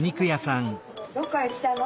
どっからきたの？